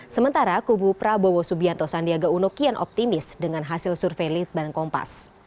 sementara kubu prabowo subianto sandiaga uno kian optimis dengan hasil survei litbang kompas